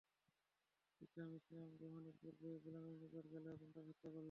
ইকরামা ইসলাম গ্রহণের পূর্বেই গোলামের নিকট গেল এবং তাকে হত্যা করল।